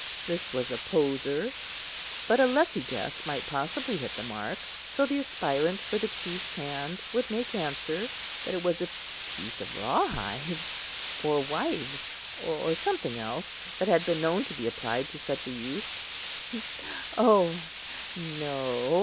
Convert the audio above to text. This was a poser. But a lucky guess might possibly hit the mark; so the aspirant for the chief's hand would make answer that it was a piece of raw hide, or withe, or something else that had been known to be applied to such a use. "Oh, no!"